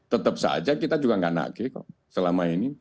tetap saja kita juga nggak nage selama ini